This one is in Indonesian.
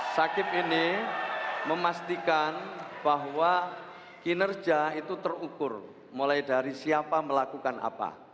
sakit ini memastikan bahwa kinerja itu terukur mulai dari siapa melakukan apa